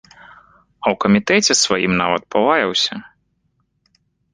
А ў камітэце сваім нават палаяўся.